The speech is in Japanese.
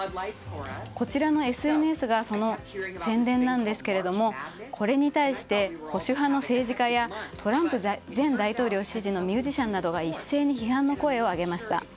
こちらのＳＮＳがその宣伝なんですけどもこれに対して、保守派の政治家やトランプ前大統領支持のミュージシャンなどが一斉に批判の声を上げました。